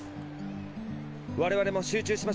我々も集中しましょう。